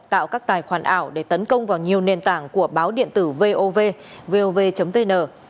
tạo các tài khoản ảo để tấn công vào nhiều nền tảng của báo điện tử vov vov vn